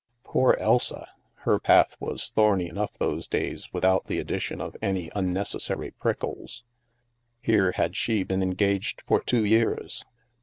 Poor Elsa! Her path was thorny enough those days, without the addition of any unnecessary prickles. Here had she been engaged for two years.